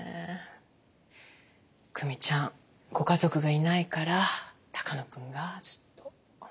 久美ちゃんご家族がいないから鷹野君がずっと。